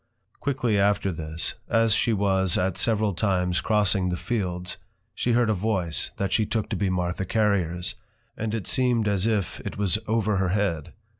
Quickly after this, as she was at several times crossing the Fields, she heard a voice, that she took to be Martha Carriers, and it seem'd as if it was over her head.